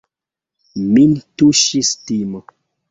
Min tuŝis timo.